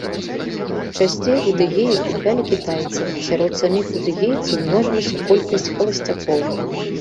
Часцей удэгеек куплялі кітайцы, а сярод саміх удэгейцаў множылася колькасць халасцякоў.